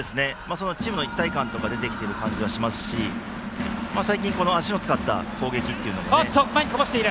チームの一体感とか出てきている感じはしますし最近、足を使った攻撃っていうのもね。